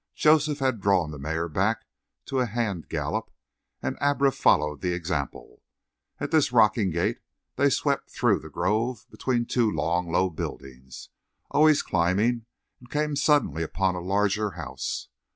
Joseph had drawn the mare back to a hand gallop, and Abra followed the example; at this rocking gait they swept through the grove between two long, low buildings, always climbing, and came suddenly upon a larger house.